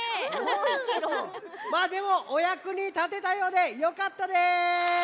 まあでもおやくにたてたようでよかったです！